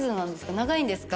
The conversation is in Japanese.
長いんですか？